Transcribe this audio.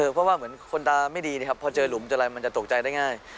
เพราะว่าเหมือนคนตาไม่ดีนะครับพอเจอหลุมเจออะไรมันจะตกใจได้ง่าย